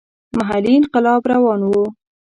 محلي انقلاب روان وو.